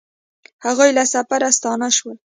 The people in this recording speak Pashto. هغوی له سفره ستانه شول